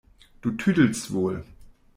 Du tüdelst wohl!